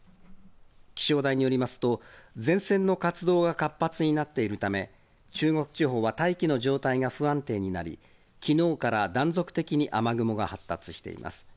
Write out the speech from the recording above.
気象台によりますと、前線の活動が活発になっているため、中国地方は大気の状態が不安定になり、きのうから断続的に雨雲が発達しています。